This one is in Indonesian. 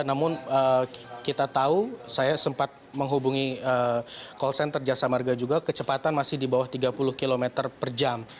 namun kita tahu saya sempat menghubungi call center jasa marga juga kecepatan masih di bawah tiga puluh km per jam